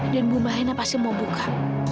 dan bumahena pasti mau buka